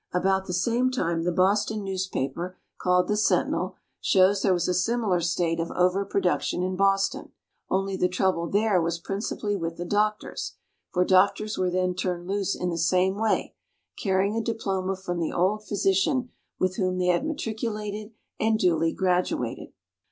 About the same time the Boston newspaper, called the "Centinel," shows there was a similar state of overproduction in Boston. Only the trouble there was principally with the doctors, for doctors were then turned loose in the same way, carrying a diploma from the old physician with whom they had matriculated and duly graduated.